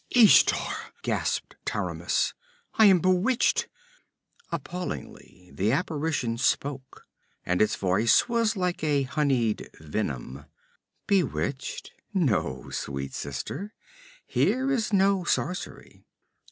'Ishtar!' gasped Taramis. 'I am bewitched!' Appallingly, the apparition spoke, and its voice was like honeyed venom. 'Bewitched? No, sweet sister! Here is no sorcery.'